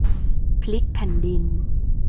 พลิกแผ่นดิน